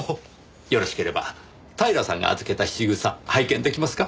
よろしければ平さんが預けた質草拝見出来ますか？